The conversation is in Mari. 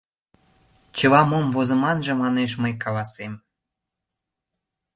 Чыла мом возыманже манеш мый каласем